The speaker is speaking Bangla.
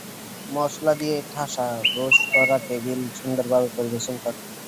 মশলা দিয়ে ঠাসা, রোস্ট করা, টেবিলে সুন্দরভাবে পরিবেশন করা!